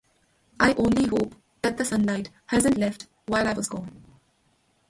I only hope that the sunlight hasn’t left while I was gone.